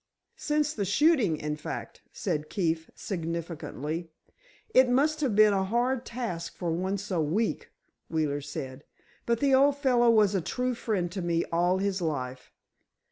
"Since the shooting, in fact," said Keefe, significantly. "It must have been a hard task for one so weak," Wheeler said, "but the old fellow was a true friend to me all his life.